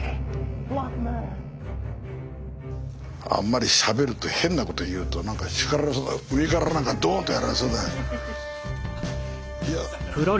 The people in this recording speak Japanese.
あんまりしゃべると変なこと言うとなんか叱られそうだ上からなんかドーンとやられそうだ。